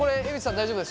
大丈夫ですか？